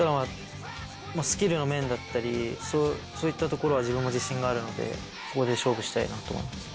スキルの面だったり、そういったところは自分も自信があるので、そこで勝負したいなと思いますね。